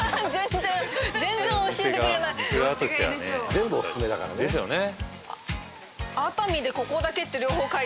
全部おすすめだからねですよね